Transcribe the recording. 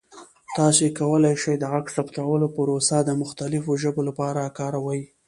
تاسو کولی شئ د غږ ثبتولو پروسه د مختلفو ژبو لپاره کاروئ.